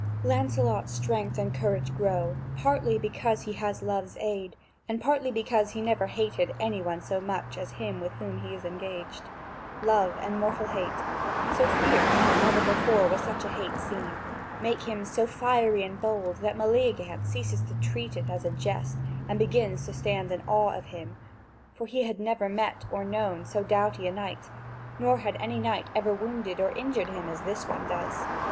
Lancelot's strength and courage grow, partly because he has love's aid, and partly because he never hated any one so much as him with whom he is engaged. Love and mortal hate, so fierce that never before was such hate seen, make him so fiery and bold that Meleagant ceases to treat it as a jest and begins to stand in awe of him, for he had never met or known so doughty a knight, nor had any knight ever wounded or injured him as this one does.